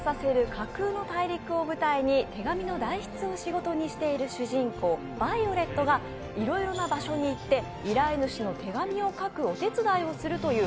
架空の国を舞台に手紙の代筆を仕事にしている主人公、ヴァイオレットがいろいろな場所に行って依頼主の手紙を書くお手伝いをするという